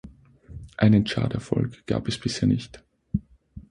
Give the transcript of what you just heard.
Einen Charterfolg gab es bisher nicht.